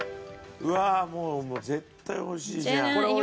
うわっもうもう絶対美味しいじゃん。